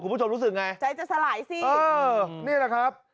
รู้สึกไงใจจะสลายสิเออนี่แหละครับ